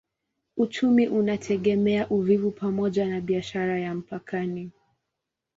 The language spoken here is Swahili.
Uchumi unategemea uvuvi pamoja na biashara ya mpakani.